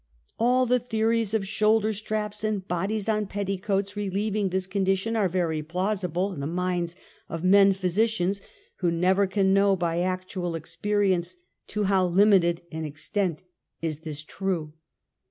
All the theories of shoulder straps and bodies on petticoats relieving this condition are very plausible in the minds of men physicians who never can know 'by actual experience, to how limited an extent is this true.